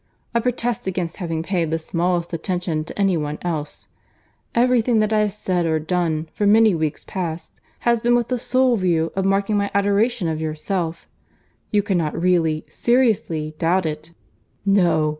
I protest against having paid the smallest attention to any one else. Every thing that I have said or done, for many weeks past, has been with the sole view of marking my adoration of yourself. You cannot really, seriously, doubt it. No!